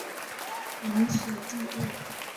莱索蒂厄。